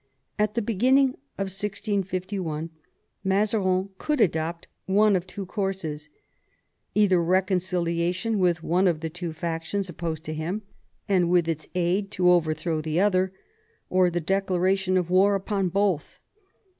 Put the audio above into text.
At the beginning of 1651 Mazarin could adopt one of two courses — either recon ciliation with one of the two factions opposed to him, and with its aid to overthrow the other ; or the declara tion of war upon both.